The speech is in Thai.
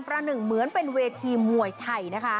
หนึ่งเหมือนเป็นเวทีมวยไทยนะคะ